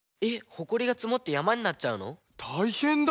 ほこりがつもってやまになっちゃうの⁉たいへんだ！